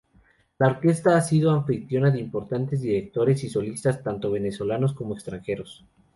La Orquesta ha sido anfitriona de importantes directores y solistas tanto venezolanos como extranjeros.